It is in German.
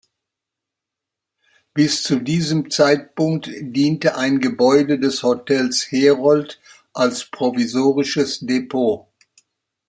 Bis zu diesem Zeitpunkt diente ein Gebäude des Hotels Herold als provisorisches Depot.